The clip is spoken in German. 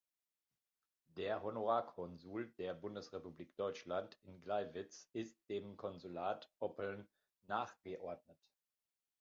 Der Honorarkonsul der Bundesrepublik Deutschland in Gleiwitz ist dem Konsulat Oppeln nachgeordnet.